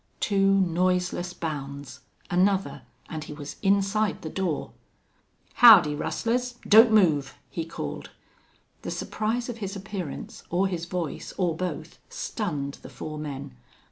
Two noiseless bounds! Another, and he was inside the door! "Howdy, rustlers! Don't move!" he called. The surprise of his appearance, or his voice, or both, stunned the four men.